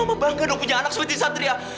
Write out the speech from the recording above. harus mama bangga dong punya anak seperti sadria